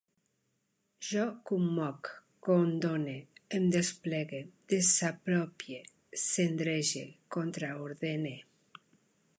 Jo commoc, condone, em desaplegue, desapropie, cendrege, contraordene